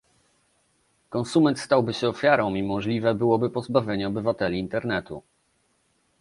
Konsument stałby się ofiarą i możliwe byłoby pozbawianie obywateli Internetu